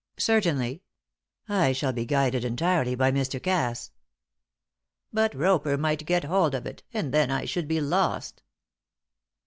"Certainly. I shall be guided entirely by Mr. Cass." "But Roper might get hold of it, and then I should be lost."